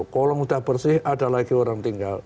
kolong sudah bersih ada lagi orang tinggal